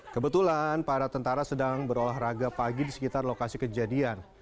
kebetulan para tentara sedang berolahraga pagi di sekitar lokasi kejadian